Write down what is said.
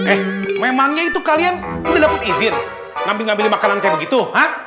eh memangnya itu kalian udah dapet izin ngambil ngambilin makanan kayak begitu hah